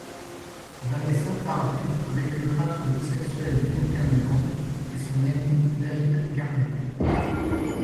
Vanessa part vivre avec le peintre bisexuel Duncan Grant et son ami David Garnett.